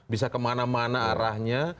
bisa kemana mana arahnya